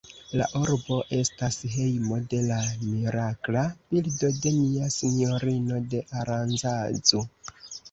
La urbo estas hejmo de la mirakla bildo de Nia Sinjorino de Aranzazu.